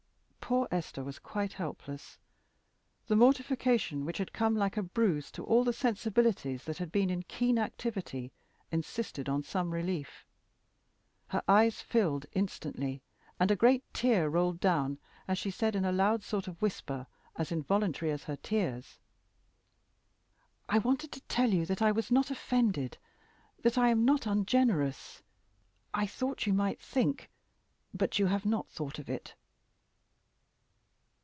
Poor Esther was quite helpless. The mortification which had come like a bruise to all the sensibilities that had been in keen activity, insisted on some relief. Her eyes filled instantly, and a great tear rolled down while she said in a loud sort of whisper, as involuntary as her tears "I wanted to tell you that I was not offended that I am not ungenerous I thought you might think but you have not thought of it."